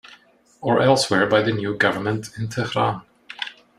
or elsewhere by the new government in Tehran.